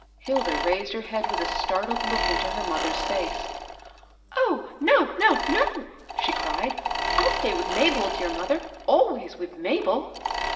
Hilda raised her head with a startled look into her mother's face. " Oh, no, no, no I " she cried ;'' I'll stay with Mabel, dear mother, — always with Mabel."